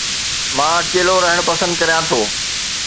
مان اڪيلو رهڻ پسند ڪريان ٿو